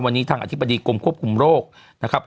วันนี้ทางอธิบดีกรมควบคุมโรคนะครับ